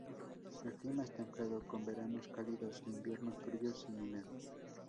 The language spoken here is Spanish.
El clima es templado con veranos cálidos e inviernos fríos y húmedos.